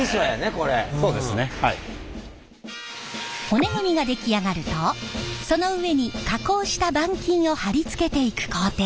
骨組みが出来上がるとその上に加工した板金を貼り付けていく工程。